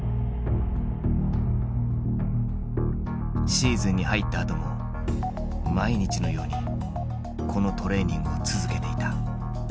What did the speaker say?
シーズンに入ったあとも毎日のようにこのトレーニングを続けていた。